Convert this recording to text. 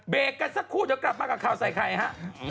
กันสักครู่เดี๋ยวกลับมากับข่าวใส่ไข่ฮะ